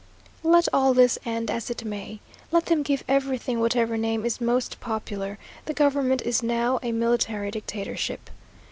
Let all this end as it may, let them give everything whatever name is most popular, the government is now a military dictatorship.